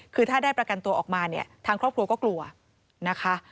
คือถ้าได้ประกันตัวออกมาเนี่ยทางครอบครัวก็กลัวนะคะ